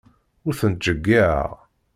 Ur tent-ttjeyyireɣ.